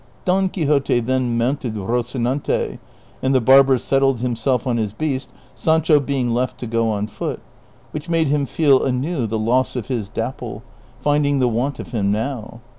Don Quixote then mounted Rocinante, and the bar ber settled himself on his beast, Sancho being left to go on foot, which made him feel anew the loss of his Dapple, finding the * Prov. 222. CHAPTER XXIX. 243 want of him now.